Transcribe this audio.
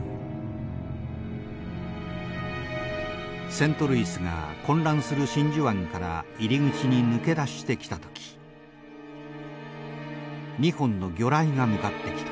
セントルイスが混乱する真珠湾から入り口に抜け出してきた時２本の魚雷が向かってきた。